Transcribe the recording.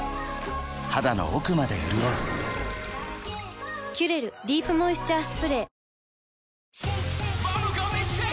肌の奥まで潤う「キュレルディープモイスチャースプレー」